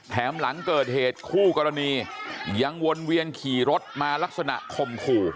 หลังเกิดเหตุคู่กรณียังวนเวียนขี่รถมาลักษณะข่มขู่